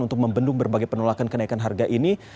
untuk membendung berbagai penolakan kenaikan harga ini